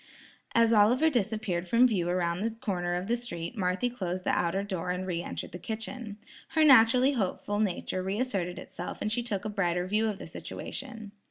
As Oliver disappeared from view around the corner of the street, Marthy closed the outer door an re entered the kitchen. Her naturally hopeful nature re asserted itself and she took a brighter view of the situation.